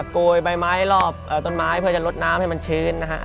โกยใบไม้รอบต้นไม้เพื่อจะลดน้ำให้มันชื้นนะฮะ